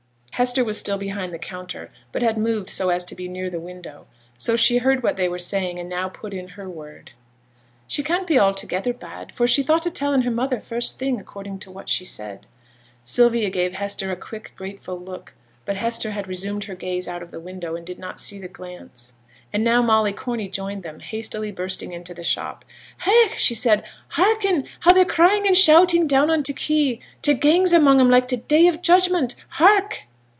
Hester was still behind the counter, but had moved so as to be near the window; so she heard what they were saying, and now put in her word: 'She can't be altogether bad, for she thought o' telling her mother first thing, according to what she said.' Sylvia gave Hester a quick, grateful look. But Hester had resumed her gaze out of the window, and did not see the glance. And now Molly Corney joined them, hastily bursting into the shop. 'Hech!' said she. 'Hearken! how they're crying and shouting down on t' quay. T' gang's among 'em like t' day of judgment. Hark!'